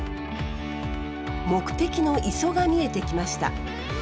目的の磯が見えてきました。